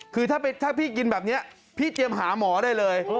คือถ้าพี่กินแบบนี้พี่เตรียมหาหมอได้เลย